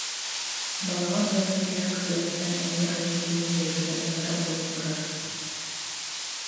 Балаҕана уота-күөһэ кытыастан, эмиэ айан киһитин бэйэтигэр ыҥыра-угуйа турар